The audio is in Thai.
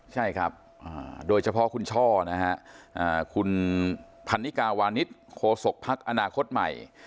ใช่ครับโดยเฉพาะคุณช่อนะฮะคุณพันนิกาวานิสโคศกภักดิ์อนาคตใหม่